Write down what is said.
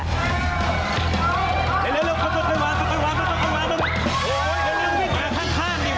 เดี๋ยว